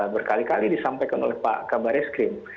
berkali kali disampaikan oleh pak kabar eskrim